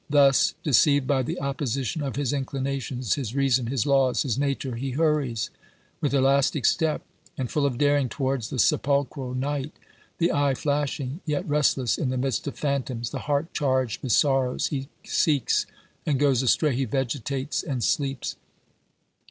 Thus, deceived by the opposition of his inclinations, his reason, his laws, his nature, he hurries, with elastic step and full of daring, towards the sepulchral night. The eye flashing, yet rest less in the midst of phantoms, the heart charged with sorrows, he seeks and goes astray, he vegetates and sleeps.